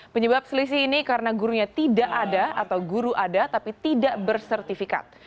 penyebab selisih ini karena gurunya tidak ada atau guru ada tapi tidak bersertifikat